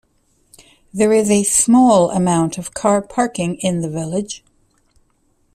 There is a small amount of car parking in the village.